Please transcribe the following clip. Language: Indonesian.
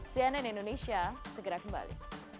cnn indonesia segera kembali